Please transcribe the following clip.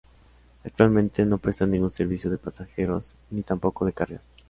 Actualmente, no presta ningún servicio de pasajeros ni tampoco de cargas.